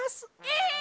え！